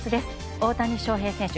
大谷翔平選手